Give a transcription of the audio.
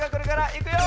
いくよ！